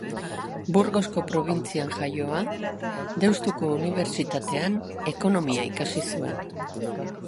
Burgosko probintzian jaioa, Deustuko Unibertsitatean ekonomia ikasi zuen.